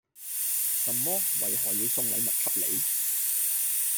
什麼？為何要送禮物給你？